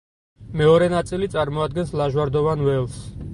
მეორე ნაწილი წარმოადგენს ლაჟვარდოვან ველს.